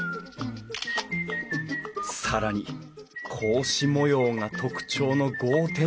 更に格子模様が特徴の格